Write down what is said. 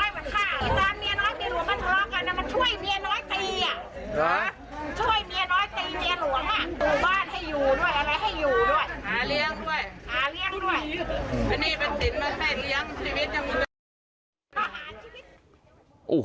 อันนี้เป็นศิลป์มันให้เลี้ยงชีวิตอยู่ด้วย